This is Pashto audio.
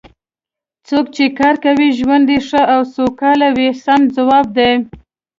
څوک چې کار کوي ژوند یې ښه او سوکاله وي سم ځواب دی.